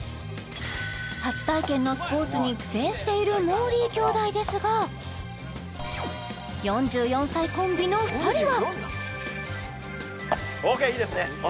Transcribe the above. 初体験のスポーツに苦戦しているもーりー兄弟ですが４４歳コンビの二人は？